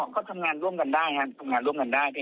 ก็ทำงานร่วมกันได้ครับทำงานร่วมกันได้